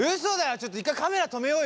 ちょっと一回カメラ止めようよ。